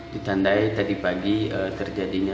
ditandai tadi pagi terjadinya